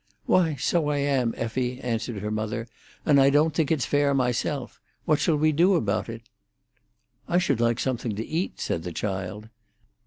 "Why, so I am, Effie," answered her mother, "and I don't think it's fair myself. What shall we do about it?" "I should like something to eat," said the child.